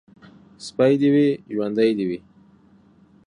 سپى دي وي ، ژوندى دي وي.